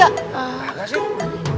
gak ada sih